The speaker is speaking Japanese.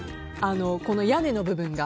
この屋根の部分が。